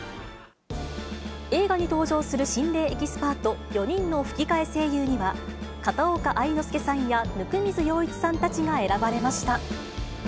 映画に登場する心霊エキスパート４人の吹き替え声優には、片岡愛之助さんや温水洋一さんたちが選ばれました。